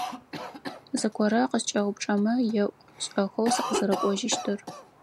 Зыгорэ къыскӏэупчӏэмэ, еӏу шӏэхэу сыкъызэрэкӏожьыщтыр.